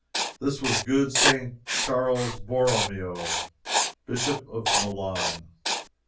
This was good St. Charles Borromeo, Bishop of Milan.